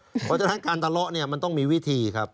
เพราะฉะนั้นการทะเลาะเนี่ยมันต้องมีวิธีครับ